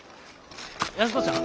安子ちゃん？